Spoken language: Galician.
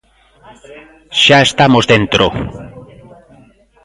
Xa estamos dentro.